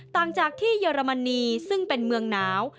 ต่างจากที่เยอรมนีซึ่งเป็นเมืองหนาว